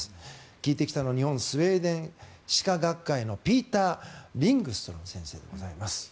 聞いてきたのは日本スウェーデン歯科学会のピーター・リングストロム先生です。